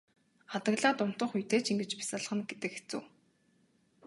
Адаглаад унтах үедээ ч ингэж бясалгана гэдэг хэцүү.